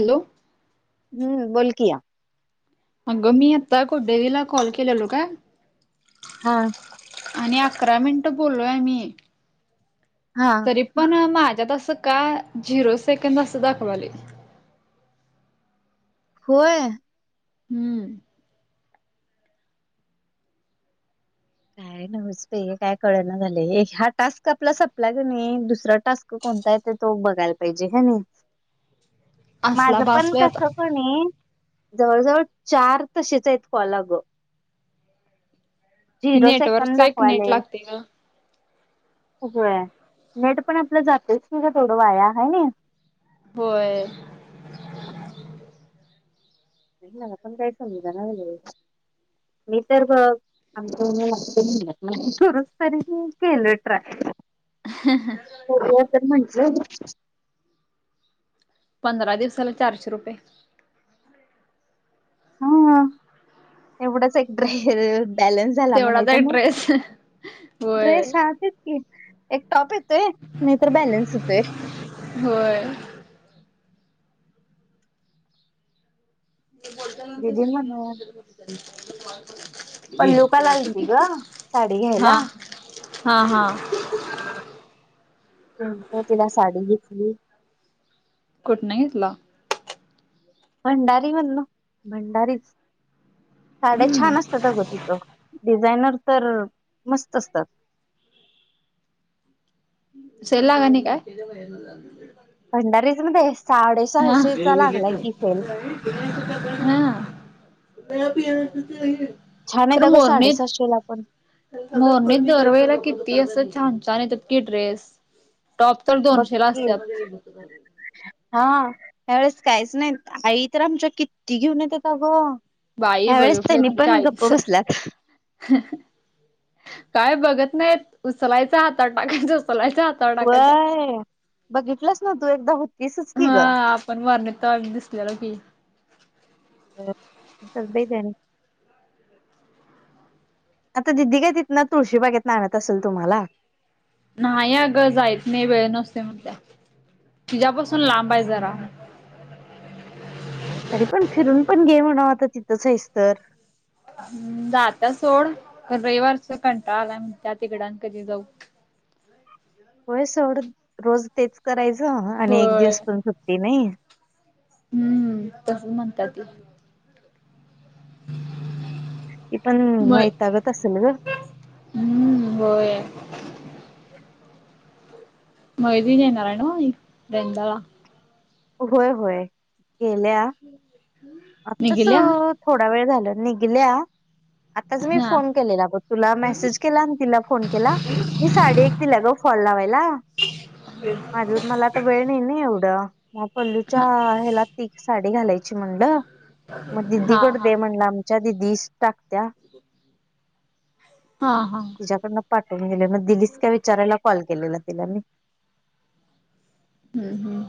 Hello हम्म, बोलकी अगं मी आता कोडवीला कॉल केलेलो काय. हा आणि अकरा मिनिट बोलोय आमी हा तरी पण माझ्यात असं का झिरो सेकंंद असं दाखवाले. होय हम्म काय नव्हेच बाई काय कळ ना झाले हा टास्क आपला सपला क नाही दुसरा टास्क कोणता आहे ते तो बघायला पाहिजे ह ना माझ असला पण बासलाय आता कस पण जवळजवळ चार तशीच आहेत कॉल गं ती जीरो नेटवर्कच सेकंड एक नेट दाखवलाय. लागते ग होय नेट पण आपलं जातेच की ग वाया होय नाही. होय. मला पण काय समजाना झाले. मी तर ब आमचं यांनी नको म्हटलं ना खरच तरी मी केलं ट्राय हा हां बघूया तर म्हटलं पंधरा दिवसाला चारशे रुपये हा एवढाच एक ड्रेस बॅलन्स झाला तेवढाच म्हणायचा एक मग... ड्रेस होय ड्रेस हा ती एक टॉप येतोय... नायतर बॅलन्स होतोय होय ते बोलत्यान अन ते दिदी सगळी म्हणून [inaudible] पल्लु काल आलती गं... साडी हा घ्यायला हा हा [unintelligible] मी तिला साडी घेतली कुठनं घेतला? भंडारी मधनं... भंडारीज साड्या छान असतात अगं तिथं... डिझायनर तर... मस्त असतात सेल लागाय नई काय? [unintelligible] भंडारीज मध्ये.... हा साडेसहाशेचा... लागलाय कि सेल हा [unintelligible] छान हायेत अगं... साडेसाहाशेला पण मोरनीत दरवेळेला किती असं.. छान... छान येतात की ड्रेस... टॉप तर बघ दोनशेला की... असतात हा या वेळेस काहीच नाई... आई तर आमच्या... कित्ती घेऊन येतात अगं बाई ह्या वेेळेस... त्यांनी पण गप्प बसल्यात हं हं... काय बघत नाईत... उचलायचं हातात... टाकायचं उचलायचं हातात व्हय... बघितलंस ना तू... एकदा होतीसच की गं पण.... [unintelligible] दिसलेलो की [unintelligible] विसरतय त्यानी आता दिदी काय... तिथनं... तुळशी बागेतनं... आणत असेल तुम्हाला न्हाई अगं... जायत नाई... वेळ नसतो म्हणत्या... तिच्यापासून लांब ए जरा हम्म. तरी पण... फिरून पण घे म्हणा.... आता तिथंच हेस तर हं... जात्या सोड... पण रविवारचा कंटाळा आलाय म्हणत्या... तिकडं अन कधी जाऊ होय... सोड... रोज तेच करायचं... आणि एक होय दिवस पण सुट्टी नई हम्म... तसं म्हणत्यात ती पण वैतागत असल गं हूं... होय मैत्रीण येणार ए नव्ह.. एक [unintelligible] होय होय... गेल्या [inaudible] निघल्या आत्तासं थोडा वेळ झाला... निघल्या आताच मी हा फोन केलेला बघ... तुला मेसेज केला... अन तिला फोन केला... मी साडे एक दिल्या गं फॉल लावायला माझं... मला तर... वेळ नाही ना एवढं मग पल्लूच्या... ह्याला... ती एक साडी घालायची म्हणलं मग हा दिदीकडं हा दे म्हलं आम्ही च्या दिदीच टाकत्या... हा हा तिच्याकडनं पाठवून दिले मग... दिलीस का विचारायला कॉल केलेला तिला मी हूं हूं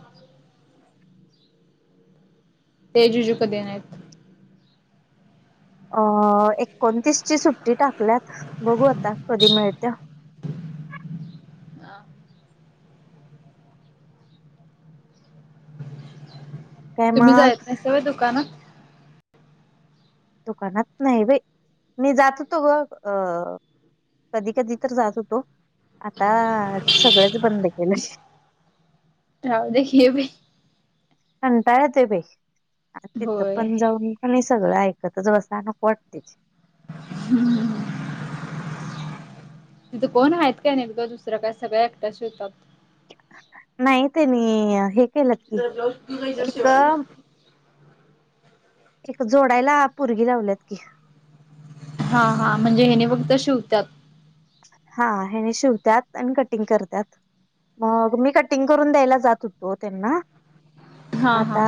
ते... जीजू कधी येणार येत? अ... एकोणतीसची सुट्टी टाकल्यात... बघू आता कधी मिळत्या आ काय तुम्ही मग जायत नाहीसा व्हय दुकानात? दुकानात नाही बाई... मी जात होतो बग... अ कधी कधी तर जात होतो... आता सगळंच बंद केलंय राहू दे... हे बाई कंटाळ ते भे तिथं होय पण जाऊन आणि सगळं ऐकतच बसा नको वाटत ते [unintelligible] तिथकोण आहेत काय नाहील का दुसरं काय सगळ एकट्या शिवतात नाही तेनी हे केल्यात ब्लाऊज तू जायचं इथ शिवायला एक जोडायला पोरगी लावल्यात की हा हा म्हणजे एनी फक्त शिवत्यात हा हने शिवतात आणि कटिंग करतत मग मी कटिंग करून द्यायला जात होतो त्यांना हा हा आता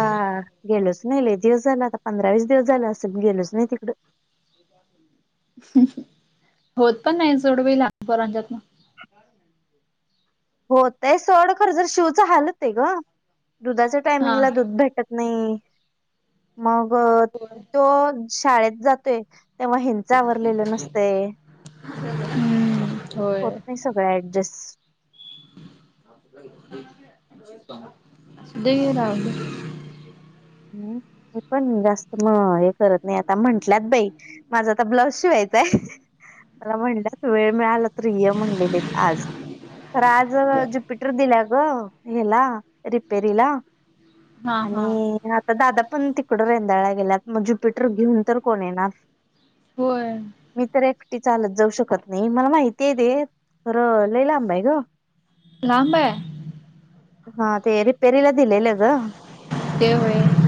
गेलोच नाही एक दिवस झाल आता पंधरा वीस दिवस झालं असं गेलोच नाही तिकडं होत पण नाही सोड बाई लहान पोरांच्यात होतय सोड खरं जर शिवच हाल होतेय ग दुधाच्या हा टायमिंगला दूध भेटत नाही मग होय तो शाळेत जातोय तेव्हा हिंच आवररलेलं नसते हम्म होय होत नाही सगळं ऍडजस्ट दे राब ह् हे पण जास्त मग हे करत म आता म्हंटल्यात बाई माझा आता ब्लाऊज शिवायचाय मला म्हणल्यात वेळ मिळाला तर य म्हणलेली आज राज ज्युपिटर दिल्या ग हला रिपेरी ला हा हा आणि आता दादा पण तिकडं रेंदाळला गेल्यात मग ज्युपिटर घेऊन तर कोण येणार होय मी तर एकटी चालत जाऊ शकत नाही मला माहिती आहे दे खरं लई लांब आहे ग लांब हाय हा ते रिपेरीला दिलेलं ग ते होय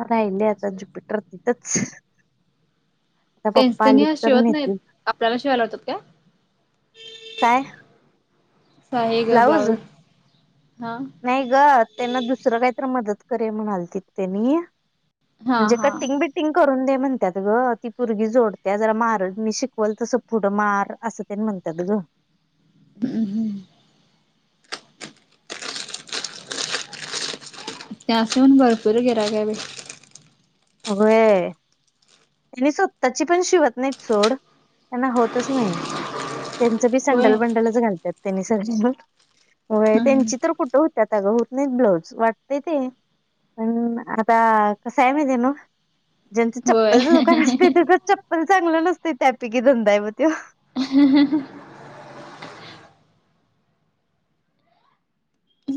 ह नाहीयले असू आता दे. ज्युपिटर तिथच टेन्शन तर शिवत नाही नेतील आपल्याला शिवायला लाटतात का काय आहे ग ब्लाऊज हा नाही ग त्यांना दुसरं काहीतरी मदत करे म्हणाल तिथ त्यांनी हा म्हणजे हा कटिंग बी कटि गकरून दे म्हणतात ग ती पोरगी जोडत्या जरा मार मी शिकवल तसं पुढं मार अस ते, म्हणतात ग हम्म हं त्या अस हून भरपूर गिरहिक आहे बाई अग ये त्यां स्वतःची पण शिवत नाही सोड त्यांना होतच नाही त्यांचं बी होय. संडल बंडल च घालतात त्यांनी सगळ्यां व हम्म त्यांची तर कुठं होतेता अगं होत नाहीत ब्लाऊज वाटते ते पण आता कस आहे माहिती आहे न ज्यांचं होय चप्पलचं दुकान असते त्याच चप्पल चांगलं नसतं त्यापकीी धंदा आहे म ते [unintelligible]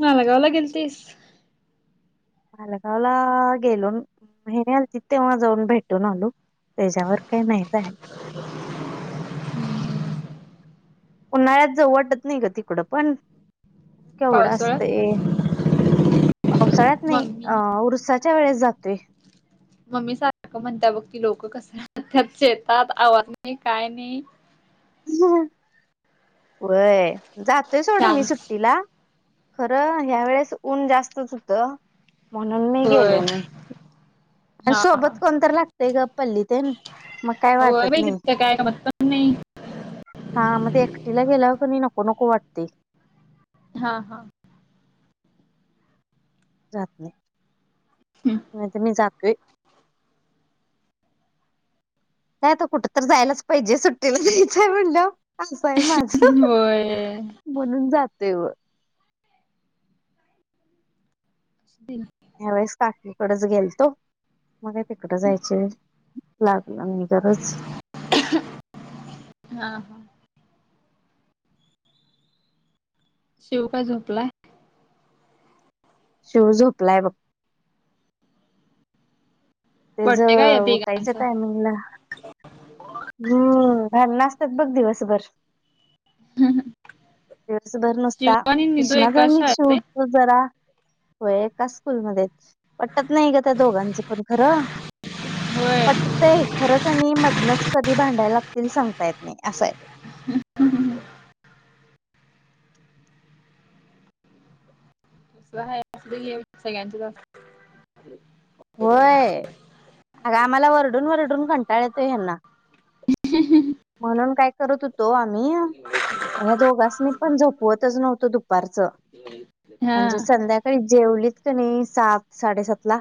मालगाव ला गेलतीस मालगावला गेलो मेरल त तेव्हा जाऊन भेटून आलो त्याच्यावर काही नाही जा उन्हाळ्यात जाऊ वाटत नाही ग तिकडं पण केवढं असत पावसाळ्यात पावसाळ्यात नाही अ मम्मी उरसाच्या वेळेस जातोय मम्मी सारखं म्हणत बघती लोक कस त्यात शेतात आवाज नाही काय नाही व्हय. जातोय सोडून मी सुट- शांत. ट्टीला. खरं ह्या वेळेस ऊन जास्तच होत. म्हणून नाही गेले होय म. आणि हा हा सोबत कोणततरी लागतेय ग पल्ली ते- हो बाई त काय [unintelligible] पण नाही. हा. म ते एकटीला गेल्यावर क नाई नको नको वाटतय. हा हा. जात नाही. नाहीतर मी जातोय. म आता कुठं तर जायलाच पाहिजे. सुट्टीला जा यचंय म्हणल्यावर. असं आहे माझ. होय. म्हणून जाते व. दिन त्यावेेळेस काकी कडेच गेलतो. मग तिकडं जायचय. लागलं मी [unintelligible] हा हा. शिव काय झोपलाय? शिव झोपलाय बघ. त्या बड्डे काय या ज उठायचं तिघांचा टायमिंगला. हम्म. घ नाचतात बघ दिवसभर. दिवसभर शिव नसता. आणि निधू किष्णाच एकाच आनि एक शाळेत आहे सोड. [unintelligible] जरा तो एका स्कूलमध्येच. पटत नाही ग! त्या दोघांचे पण. खरं? होय पटतंय खरं का नाई मध- नच कधी भांडायला लागतील सांगता येत नाही असंय. ह् ह्. [unintelligible] सगळ्यांच व्हय. अग! आम्हाला वरडून वरडून कंटाळा येतो ह्यां ना. म्हणून काय करत हो- तो आम्ही. या दोघास्नी पण झोपवतच नव्हतो दुपारचं. म्हणजे हा संध्याकाळी जेवलीत का नाही? सात साडेसात ला-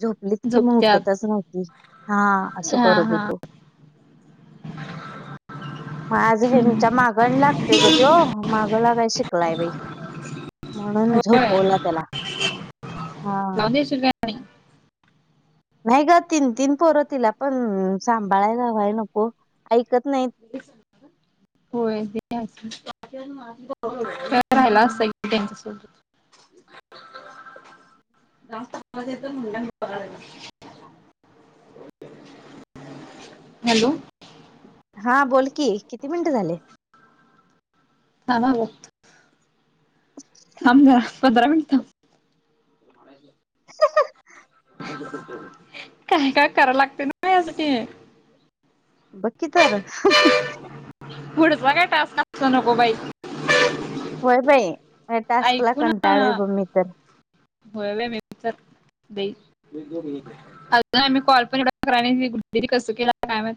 झोपलीत कि म झोपत्यात उठतच नव्हती. हा. असं हा करत हा होतो. [unintelligible] माझ [unintelligible] मागण लागतोय ग त्यो. माग लागाय शिकलाय बाई. म्हणून होय झोपवला त्याला. हा. लावून देशील काय? नाही नाही ग, तीन तीन पोर तिला पण सांभाळायला हय नको? ऐकत नाही. [unintelligible] होय. राहिला असत त्यांच्या सोबत. [unintelligible] जास्तेत मुंड. हॅलो. हा. बोल की. किती मिनिटं झाले? हं. म्हणलं. थांब ना पंधरा मिनट. [unintelligible] काय काय कराव लागते ना त्यासाठी? बघ की तर. पुढचा काय टास्क, [unintelligible] नको बाई. होय बाई. या टास्कला कंटाळले बग मी पण. होवे मी तरर- अजून आमी कॉल पण एवढ [unintelligible] कस केला काय माहीत.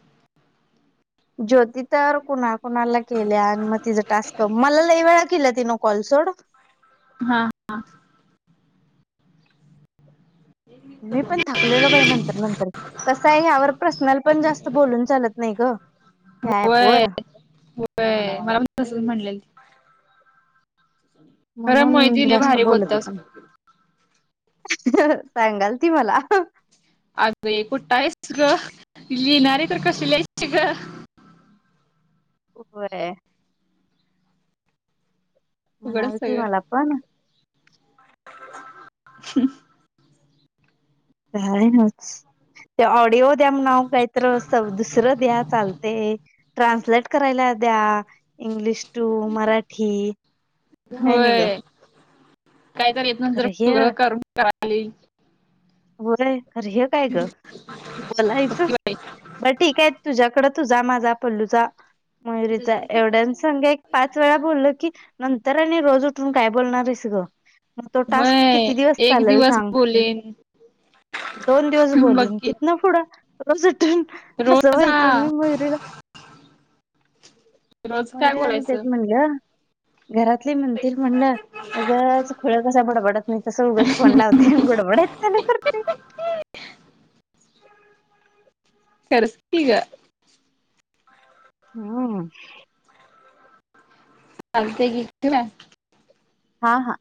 ज्योती तर कुणाकुणाला केल्यान? आणि मग तिचा टास्क -मला लई वेळ- किला तिन कॉल सोड. हा हा. मी पण थकलेलो बाई नंतर नंतर कस आहे ह्यावर प्रश्नाल पण जास्त बोलून चालत नाही ग त्या ऍपवरर मलास म्हटलेल. खरा महि म्हणून त नाही जास्त भारी बोलत बोलतस. पण सांगाल ती मला अग हे कुठा आहेच ग लिणार आहे तर कस लय ग. होय. उघडच म्हणाल त मला पण हम्. काय ना ते ऑडिओ द्या नाव काहीत दुसरं द्या चालते ट्रान्सलेट करायला द्या. इंग्लिश टू मराठी काय नाही ग. काहीतरी येत नंतर खरं हे पग करम कली होय खर हे काय ग बोलायचं बघकी बाई ब ठीकय तुझ्याकड. तुझा माझा पल्लूचा मयुरीचा एवढ्या संगा एक. पाच वेळा बोलल की नंतर आणि रोज उठून काय बोलणार आहेस ग. मग तो टास्क किती दिवस चालेल सांग. पुलेन. दोन दिवस बोलीन तथ ना पुढं रोजून असं रोज व्हायचं हा मी मयुरीला रोज काय मयुरीला मी तेच बोलायचं म्हणलं घरातले म्हणतील म्हणलं. उगंच खुळ कसा बडबडत नाही तसं उगंच फोन लावते बुडबडत. करसली का? हम्. चालते. हा हा.